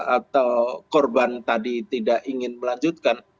atau korban tadi tidak ingin melanjutkan